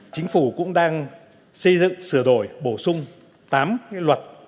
chính phủ cũng đang xây dựng sửa đổi bổ sung tám luật